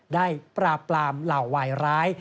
ได้ปราบปรามเหล่าวายร้าย